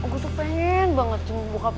gue tuh pengen banget cembung bokap gue